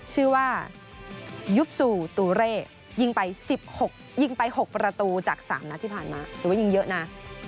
ชื่อว่ายุบซูตูเร่ยิงไป๑๖ยิงไป๖ประตูจาก๓นัดที่ผ่านมาถือว่ายิงเยอะนะ